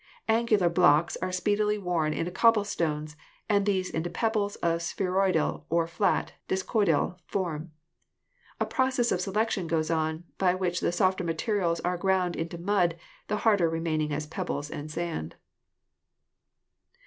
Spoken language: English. Angular blocks are speedily worn into cobblestones and these into pebbles of spheroidal or flat, discoidal form. A process of selection goes on, by which the softer materials are ground into mud, the harder remaining as pebbles and sand.